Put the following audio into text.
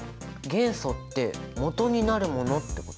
元素ってもとになるものってこと？